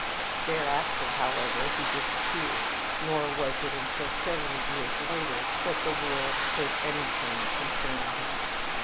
Thereafter, however, he disappeared; nor was it until several years later that the world heard anything concerning him.